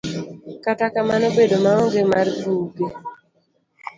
Kata kamano, bedo maonge mar buge